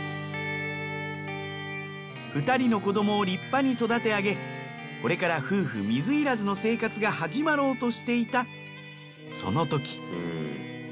２人の子どもを立派に育て上げこれから夫婦水入らずの生活が始まろうとしていたそのとき。